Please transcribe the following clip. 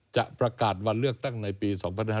จะประกาศวันเลือกตั้งในปี๒๕๕๙